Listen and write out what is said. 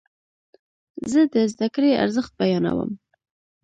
زه د زده کړې ارزښت بیانوم.